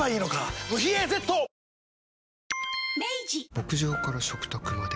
牧場から食卓まで。